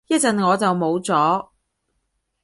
一陣我就冇咗